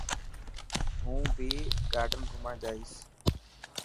هون ڀهي گارڊن گھمڻ جائيس.